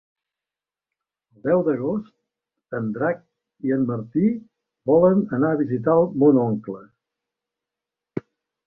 El deu d'agost en Drac i en Martí volen anar a visitar mon oncle.